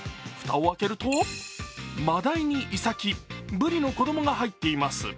蓋を開けると、まだいにいさき、ぶりの子供が入っています。